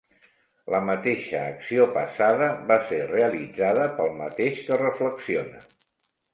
La mateixa acció passada va ser realitzada pel mateix que reflexiona.